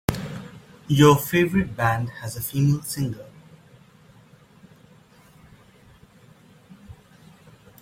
Your favorite band has a female singer.